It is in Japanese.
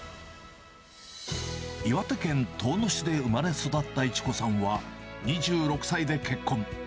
岩手県遠野市で生まれ育った市子さんは、２６歳で結婚。